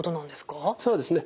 そうですね。